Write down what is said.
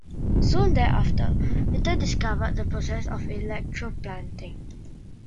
Soon thereafter Ritter discovered the process of electroplating.